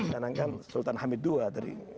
tanahkan sultan hamid ii